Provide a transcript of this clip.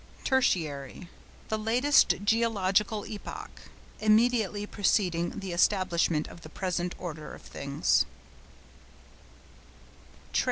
TERTIARY.—The latest geological epoch, immediately preceding the establishment of the present order of things.